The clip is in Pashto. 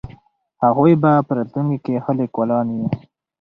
هغوی به په راتلونکي کې ښه لیکوالان وي.